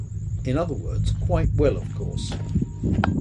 In other words, quite well of course.